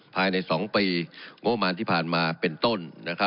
ภายในสองปีโง่มานที่ผ่านมาเป็นต้น